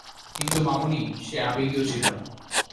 কিন্তু, মামুনি, সে আবেগীও ছিল।